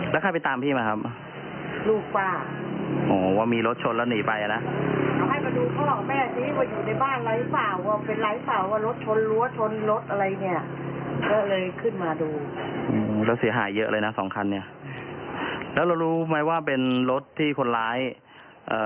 แล้วเสียหายเยอะเลยนะสองคันเนี่ยแล้วเรารู้ไหมว่าเป็นรถที่คนร้ายเอ่อ